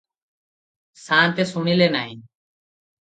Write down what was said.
ସାଆନ୍ତେ ଶୁଣିଲେ ନାହିଁ ।